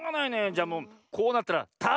じゃもうこうなったらた